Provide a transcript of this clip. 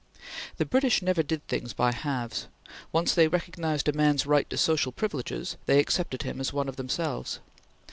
The British never did things by halves. Once they recognized a man's right to social privileges, they accepted him as one of themselves.